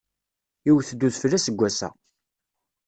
Iwet-d udfel aseggas-a.